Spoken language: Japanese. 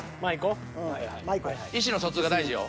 意思の疎通が大事よ。